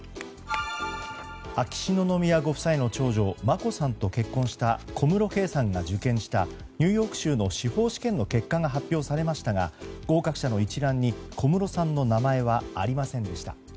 秋篠宮ご夫妻の長女眞子さんと結婚した小室圭さんが受験したニューヨーク州の司法試験の結果が発表されましたが合格者の一覧に小室さんの名前はありませんでした。